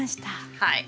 はい。